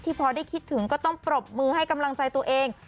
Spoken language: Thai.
พอได้คิดถึงก็ต้องปรบมือให้กำลังใจตัวเอง